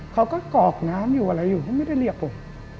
กอกน้ำอยู่อะไรอยู่เขาไม่ได้เรียกผม